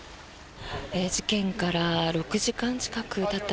事件から６時間近くたった